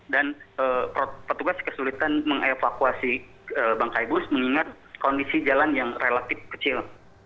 dan petugas kesulitan mengevakuasi bangkai bus mengingat kondisi jalan yang relatif kecil